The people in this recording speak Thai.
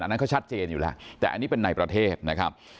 อันนั้นเขาชัดเจนอยู่แล้วแต่อันนี้เป็นในประเทศนะครับ